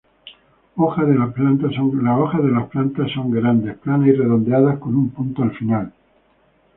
Hojas de la planta son grandes, planas y redondeadas, con un punto al final.